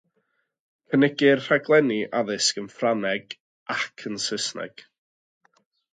Cynigir rhaglenni addysg yn Ffrangeg ac yn Saesneg.